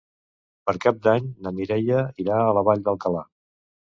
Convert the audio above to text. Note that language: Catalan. Per Cap d'Any na Mireia irà a la Vall d'Alcalà.